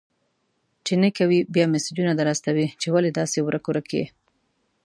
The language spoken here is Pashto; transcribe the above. چي نې کوې، بيا مسېجونه در استوي چي ولي داسي ورک-ورک يې؟!